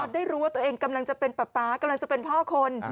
ได้รู้ว่าตัวเองกำลังจะเป็นป๊าป๊ากำลังจะเป็นพ่อคน